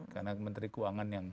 karena menteri keuangan yang